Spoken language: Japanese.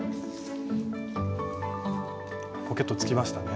ポケットつきましたね。